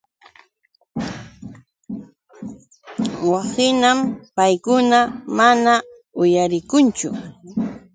Wakhinam paykuna mana uyalikunchu.